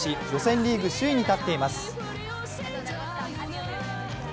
リーグ首位に立っています。